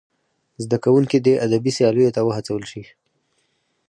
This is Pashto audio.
زدهکوونکي دې ادبي سیالیو ته وهڅول سي.